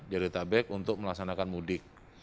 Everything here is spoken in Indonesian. jadetabek untuk melaksanakan mudik